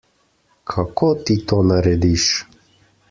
Kako ti to narediš?